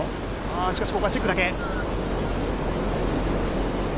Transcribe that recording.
しかし、ここはチェックだけ。